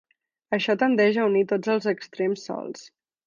Això tendeix a unir tots els extrems solts.